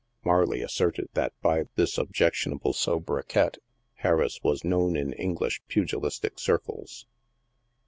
Marley asserted that by this objectionable sobriquet Harris was known in English pugilistic circles.